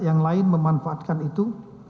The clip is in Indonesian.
yang lain memanfaatkan itu